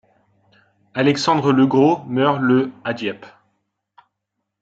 Alexandre Legros meurt le à Dieppe.